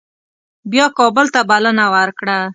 بیا کابل ته بلنه ورکړه.